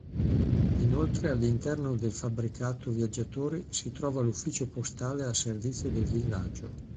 Inoltre all'interno del fabbricato viaggiatori si trova l'ufficio postale a servizio del villaggio.